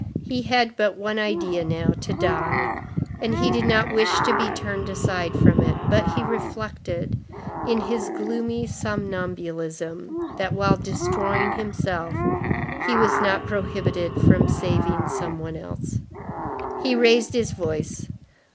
He had but one idea now, to die; and he did not wish to be turned aside from it, but he reflected, in his gloomy somnambulism, that while destroying himself, he was not prohibited from saving some one else. He raised his voice.